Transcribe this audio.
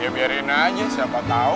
ya biarin aja siapa tau